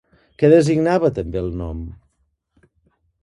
Què designava també el nom?